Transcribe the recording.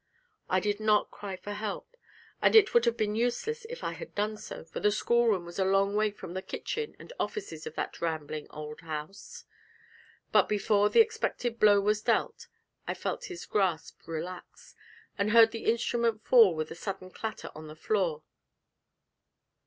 I did not cry for help, and it would have been useless if I had done so, for the schoolroom was a long way from the kitchen and offices of that rambling old house. But before the expected blow was dealt I felt his grasp relax, and heard the instrument fall with a sudden clatter on the floor.